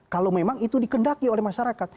kalau memang itu dikendaki oleh masyarakat